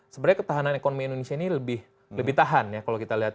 sebenarnya ketahanan ekonomi indonesia ini lebih tahan ya kalau kita lihat